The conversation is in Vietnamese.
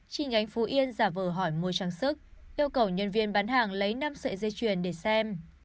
trên ngánh phú yên giả vờ hỏi mua trang sức yêu cầu nhân viên bán hàng lấy năm sợi dây chuyển để xem